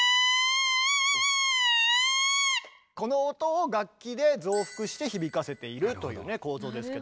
この音を楽器で増幅して響かせているという構造ですけど。